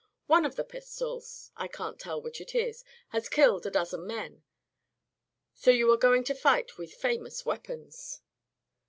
One of the pistols I can't tell which it is has killed a dozen men, so you are going to fight with famous weapons."